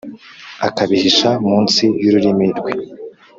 akabihisha munsi y’ururimi rwe,